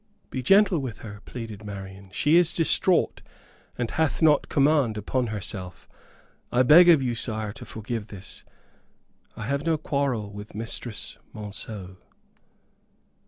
"Be gentle with her," pleaded Marian; "she is distraught, and hath not command upon herself. I beg of you, sire, to forgive this; I have no quarrel with Mistress Monceux."